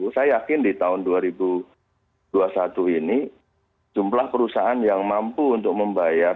saya yakin di tahun dua ribu dua puluh satu ini jumlah perusahaan yang mampu untuk membayar